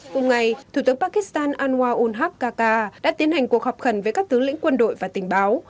cùng ngày thủ tướng pakistan anwar unhak kaka đã tiến hành cuộc họp khẩn với các tướng lĩnh quân đội và tình báo